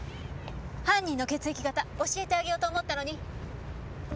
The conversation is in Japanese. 犯人の血液型教えてあげようと思ったのに。